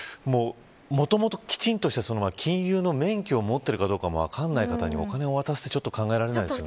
もともと、きちんとした金融の免許を持っているかどうかも、分からない方にお金を渡すってちょっと考えられないですよね。